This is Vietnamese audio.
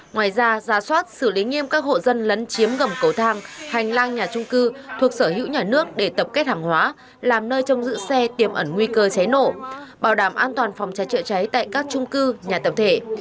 ngoài ra giả soát xử lý nghiêm các hộ dân lấn chiếm gầm cầu thang hành lang nhà trung cư thuộc sở hữu nhà nước để tập kết hàng hóa làm nơi trong dự xe tiềm ẩn nguy cơ cháy nổ bảo đảm an toàn phòng cháy chữa cháy tại các trung cư nhà tập thể